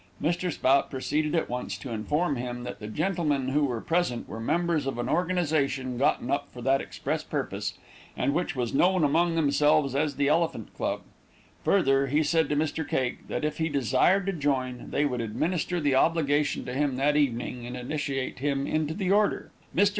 Mr. Spout proceeded at once to inform him that the gentlemen who were present were members of an organization gotten up for that express purpose, and which was known among themselves as the Elephant Club; further he said to Mr. Cake, that if he desired to join, they would administer the obligation to him that evening, and initiate him into the order. Mr.